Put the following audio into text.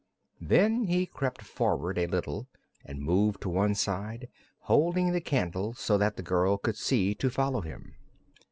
Then he crept forward a little and moved to one side, holding the candle so that the girl could see to follow him.